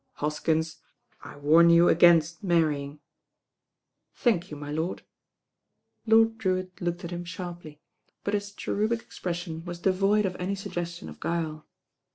Hoskins, I warn you against mar rying." "Thank you, my lord." Lord Drewitt looked at him sharply; but his cherubic expression was devoid of any suggestion of guile.